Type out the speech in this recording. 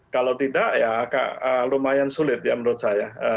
kalau tidak ya lumayan sulit ya menurut saya